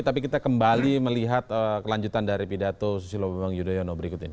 tapi kita kembali melihat kelanjutan dari pidato susilo bambang yudhoyono berikut ini